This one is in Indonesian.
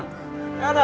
ya belajar di sana